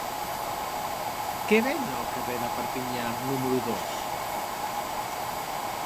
Què venen al carrer de Perpinyà número dos?